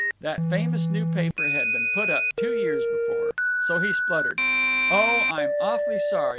That famous new paper had been put up two years before. So he spluttered: "Oh, I'm awfully sorry.